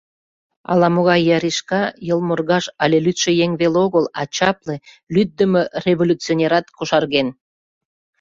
Ала-могай яришка, йылморгаж але лӱдшӧ еҥ веле огыл, а чапле, лӱддымӧ революционерат кошарген!